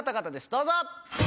どうぞ。